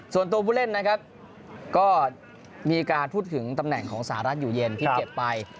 ส่วนตัวผู้เล่นนะครับก็มีการพูดถึงตำแหน่งของสหรัฐอยู่เย็นที่เจ็บไป